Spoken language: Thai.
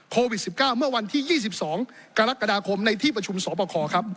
โควิด๑๙เมื่อวันที่๒๒กรกฎาคมในที่ประชุมสอบคอครับ